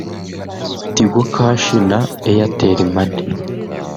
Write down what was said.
Tigo Cash na Airtel Money